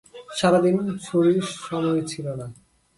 সারাদিন শশীর সময় ছিল না।